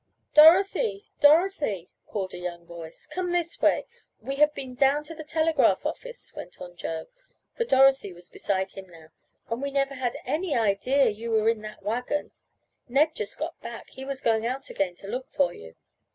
"Dorothy! Dorothy!" called a young voice. "Come this way! We have been down to the telegraph office," went on Joe, for Dorothy was beside him now, "and we never had any idea you were in that wagon. Ned just got back. He was going out again to look for you."